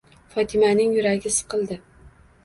Fotimaning yuragi siqildi.